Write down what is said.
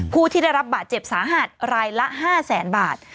ผู้ที่ได้รับบาดเจ็บสาหัสรายละ๕แสนบาท